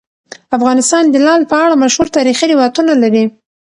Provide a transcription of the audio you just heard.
افغانستان د لعل په اړه مشهور تاریخی روایتونه لري.